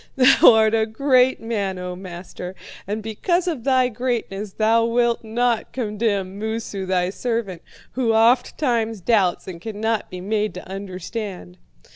'Thou art a great man, O master, and because of thy greatness thou wilt not condemn Moosu, thy servant, who ofttimes doubts and cannot be made to understand.'